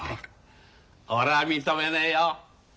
俺は認めねえよ。